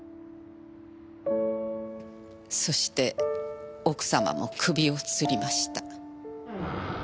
そして奥様も首を吊りました。